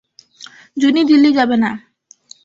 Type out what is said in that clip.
জুনি দীল্লি যাবে না।